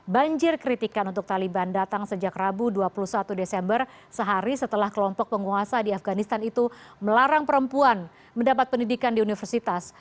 banjir kritikan untuk taliban datang sejak rabu dua puluh satu desember sehari setelah kelompok penguasa di afganistan itu melarang perempuan mendapat pendidikan di universitas